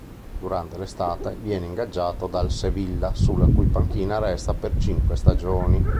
Durante l'estate viene ingaggiato dal Sevilla, sulla cui panchina resta per cinque stagioni.